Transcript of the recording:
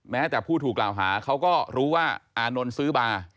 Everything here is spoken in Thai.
แม้แต่ผู้ถูกกล่าวหาเขาก็รู้ว่าอานนท์ซื้อมา